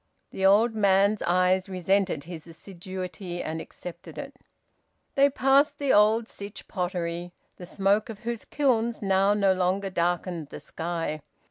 The old man's eyes resented his assiduity and accepted it. They passed the Old Sytch Pottery, the smoke of whose kilns now no longer darkened the sky.